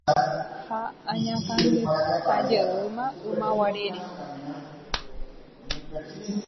ha añakãngetajeýma ymaguarére